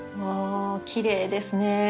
あきれいですね。